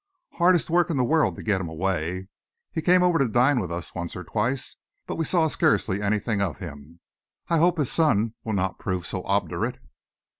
Hardest work in the world to get him away. He came over to dine with us once or twice, but we saw scarcely anything of him. I hope his son will not prove so obdurate."